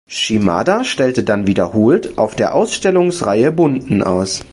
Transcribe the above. Shimada stellte dann wiederholt auf der Ausstellungsreihe „Bunten“ aus.